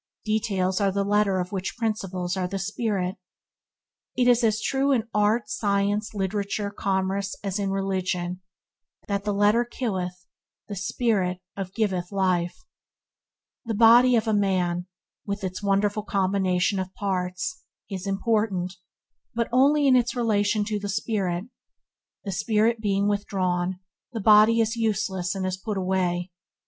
Details are the letter of which principles are the spirit. It is as true in art, science, literature, commerce, as in religion, that "the letter killeth, the spirit of giveth life." The body of a man, with its wonderful combination of parts, is important, but only in its relation to the spirit. The spirit being withdrawn, the body is useless and is put away.